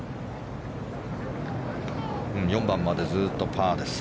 ４番までずっとパーです。